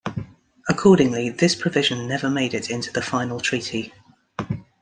Accordingly, this provision never made it into the final treaty.